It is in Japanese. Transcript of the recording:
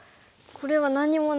これは何にもないので。